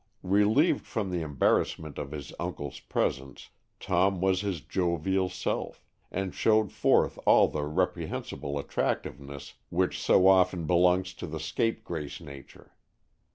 Relieved from the embarrassment of his uncle's presence, Tom was his jovial self, and showed forth all the reprehensible attractiveness which so often belongs to the scapegrace nature.